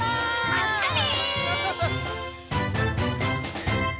まったね！